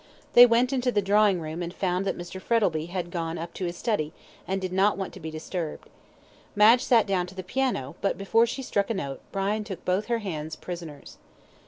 They went into the drawing room and found that Mr. Frettlby had gone up to his study, and did not want to be disturbed. Madge sat down to the piano, but before she struck a note, Brian took both her hands prisoners.